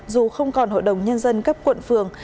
dù không còn hội đồng nhân dân cấp quận phường